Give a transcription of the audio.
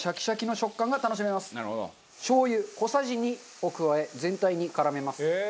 しょう油小さじ２を加え全体に絡めます。